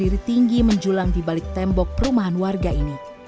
dia berdiri tinggi menjulang di balik tembok perumahan warga ini